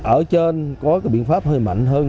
ở trên có biện pháp hơi mạnh hơn